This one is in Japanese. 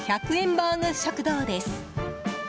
バーグ食堂です。